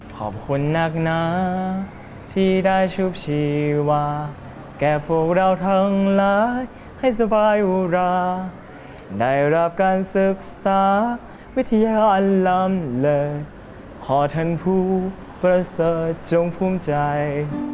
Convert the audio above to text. ขอบคุณนักหนาที่ได้ชุบชีวาแก่พวกเราทั้งหลายให้สบายอุราได้รับการศึกษาวิทยาล้ำเลยขอท่านผู้ประเสริฐจงภูมิใจ